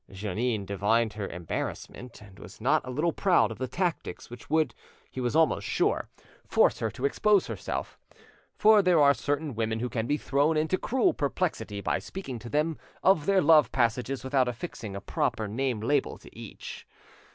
Jeannin divined her embarrassment, and was not a little proud of the tactics which would, he was almost sure; force her to expose herself. For there are certain women who can be thrown into cruel perplexity by speaking to them of their love passages without affixing a proper name label to each.